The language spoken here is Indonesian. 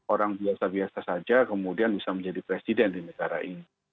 orang biasa biasa saja kemudian bisa menjadi presiden di negara ini